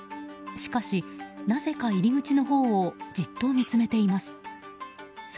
しかし、なぜか入口のほうをじっと見つめています。